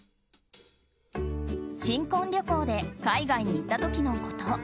新婚旅行で海外に行った時のこと。